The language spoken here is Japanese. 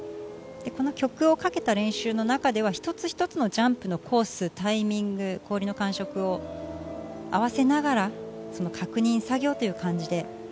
曲をかけた練習の中では一つ一つのジャンプのコース、タイミング、氷の感触を合わせながら確認作業という感じで。